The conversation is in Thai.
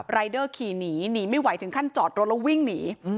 รายเดอร์ขี่หนีหนีไม่ไหวถึงขั้นจอดรถแล้ววิ่งหนี